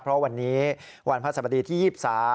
เพราะวันนี้วันพระสบดีที่๒๓